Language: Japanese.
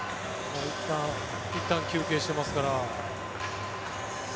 いったん休憩してますから。